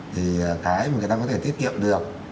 thì cái người ta có thể tiết kiệm được